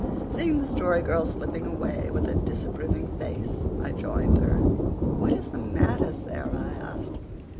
Seeing the Story Girl slipping away with a disapproving face I joined her. "What is the matter, Sara?" I asked.